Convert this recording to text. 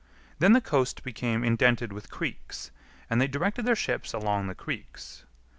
Then the coast became indented with creeks, and they directed their ships along the creeks.